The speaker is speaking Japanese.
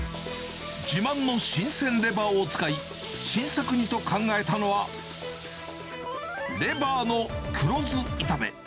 自慢の新鮮レバーを使い、新作にと考えたのは、レバーの黒酢炒め。